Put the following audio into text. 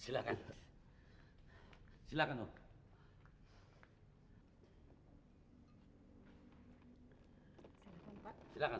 silahkan silahkan silahkan